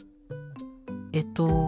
えっと